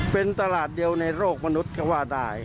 เป็นตลาดเดียวในโลกมนุษย์ก็ว่าได้